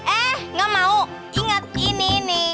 eh ga mau ingat ini ini